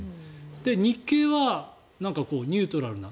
日経はニュートラルな。